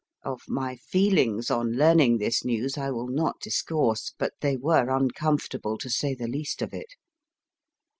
Of my feelings on learning this news I will not discourse, but they were uncomfortable, to say the least of it.